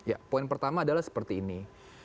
ya poin pertama adalah seperti ini